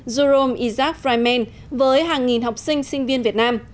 jerome isaac freiman với hàng nghìn học sinh sinh viên việt nam